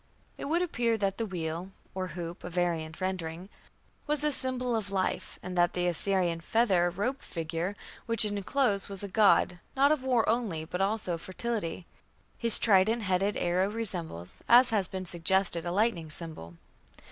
" It would appear that the wheel (or hoop, a variant rendering) was a symbol of life, and that the Assyrian feather robed figure which it enclosed was a god, not of war only, but also of fertility. His trident headed arrow resembles, as has been suggested, a lightning symbol.